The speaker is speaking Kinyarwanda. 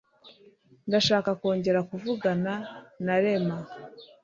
Ndashaka kongera kuvugana na Rema.